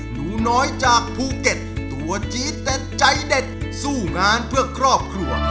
หนูน้อยจากภูเก็ตตัวจี๊ดแต่ใจเด็ดสู้งานเพื่อครอบครัว